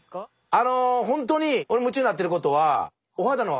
あのほんとに俺夢中になってることはそうなんや。